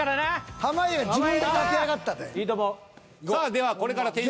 さあではこれから。